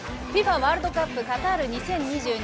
ワールドカップカタール２０２２